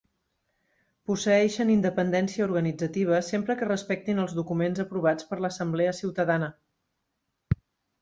Posseeixen independència organitzativa sempre que respectin els documents aprovats per l'Assemblea Ciutadana.